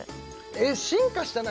えっ進化したな？